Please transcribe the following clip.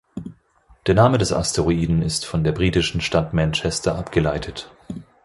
Der Name des Asteroiden ist von der britischen Stadt Manchester abgeleitet.